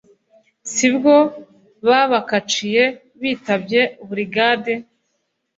sibwo babakaciye bitabye burigadi